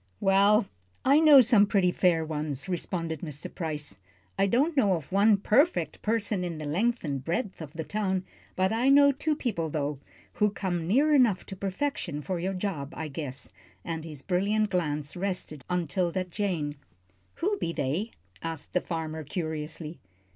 "Well I know some pretty fair ones," responded Mr. Price. "I don't know of one perfect person in the length and breadth of the town. But I know two people, though, who come near enough to perfection for your job, I guess," and his brilliant glance rested on 'Tilda Jane. "Who be they?" asked the farmer, curiously.